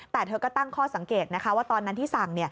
แต่เธอก็ตั้งข้อสังเกตนะคะว่าตอนนั้นที่สั่ง